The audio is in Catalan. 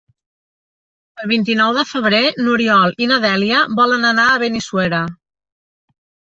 El vint-i-nou de febrer n'Oriol i na Dèlia volen anar a Benissuera.